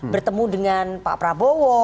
bertemu dengan pak prabowo